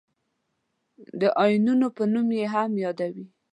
د آیونونو په نوم یې هم یادوي.